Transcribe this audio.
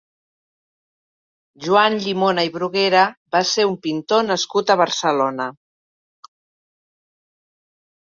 Joan Llimona i Bruguera va ser un pintor nascut a Barcelona.